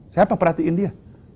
siapa perhatiin dia